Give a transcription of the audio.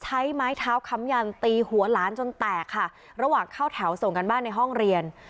ใช้ไม้เท้าค้ำยันตีหัวหลานจนแตกค่ะระหว่างเข้าแถวส่งกันบ้านในห้องเรียน